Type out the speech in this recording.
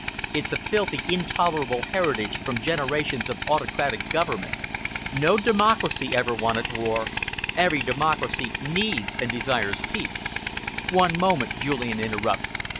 "It's a filthy, intolerable heritage from generations of autocratic government. No democracy ever wanted war. Every democracy needs and desires peace." "One moment," Julian interrupted.